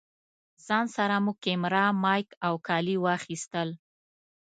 ځان سره مو کېمره، مايک او کالي واخيستل.